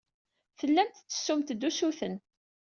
Tellamt tettessumt-d usuten.